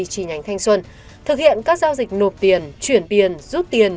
chi nhánh thanh xuân thực hiện các giao dịch nộp tiền chuyển tiền rút tiền